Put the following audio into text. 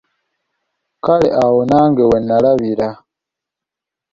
Kale awo nange wennalabira.